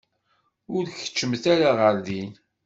Ur keččmet ara ɣer din.